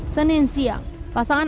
ketika di polres metro jakarta selatan